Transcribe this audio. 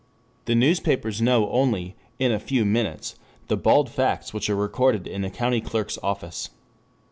The newspapers know only "in a few minutes" the bald facts which are recorded in the County Clerk's Office.